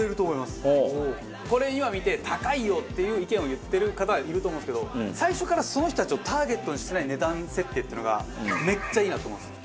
これ今見て高いよっていう意見を言ってる方はいると思うんですけど最初からその人たちをターゲットにしてない値段設定っていうのがめっちゃいいなと思うんです。